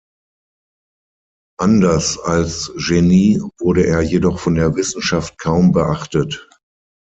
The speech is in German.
Anders als Genie wurde er jedoch von der Wissenschaft kaum beachtet.